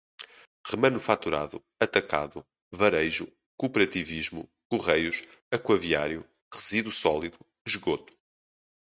remanufaturado, atacado, varejo, cooperativismo, correios, aquaviário, resíduo sólido, esgoto